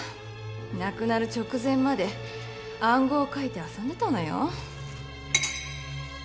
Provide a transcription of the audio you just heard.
亡くなる直前まで暗号を書いて遊んでたのよ。